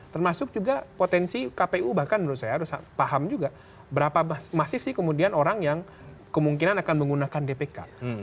termasuk juga potensi kpu bahkan menurut saya harus paham juga berapa masif sih kemudian orang yang kemungkinan akan menggunakan dpk